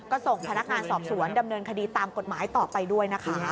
ก็ส่งพนักงานสอบสวนดำเนินคดีตามกฎหมายต่อไปด้วยนะคะ